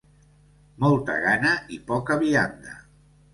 Molta gana i poca vianda.